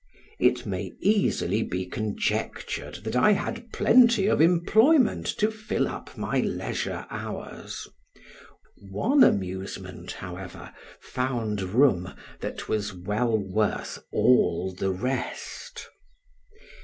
It may easily be conjectured that I had plenty of employment to fill up my leisure hours; one amusement, however, found room, that was well worth all the rest.